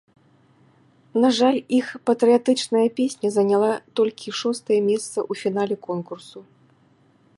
На жаль, іх патрыятычная песня заняла толькі шостае месца ў фінале конкурсу.